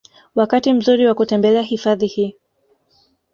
Wakati mzuri wa kutembelea hifadhi hii